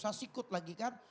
soalnya sikut lagi kan